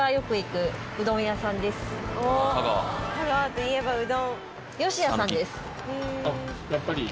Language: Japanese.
香川といえばうどん。